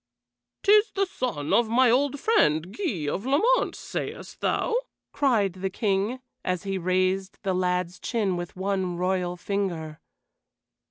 "'Tis the son of my old friend, Guy of Lamont, sayest thou?" cried the King, as he raised the lad's chin with one royal finger.